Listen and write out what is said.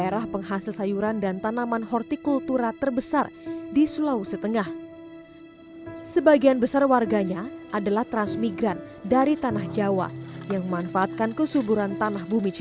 reski anggota basarnas asal gorontepan